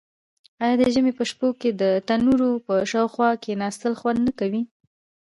آیا د ژمي په شپو کې د تندور په شاوخوا کیناستل خوند نه کوي؟